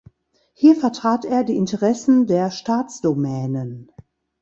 Hier vertrat er die Interessen der Staatsdomänen.